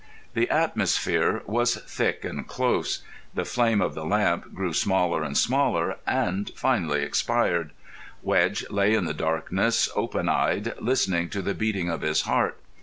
The atmosphere was thick and close. The flame of the lamp grew smaller and smaller, and finally expired. Wedge lay in the darkness, open eyed, listening to the beating of his heart.